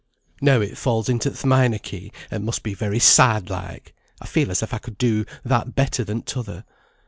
Now it falls into th' minor key, and must be very sad like. I feel as if I could do that better than t'other.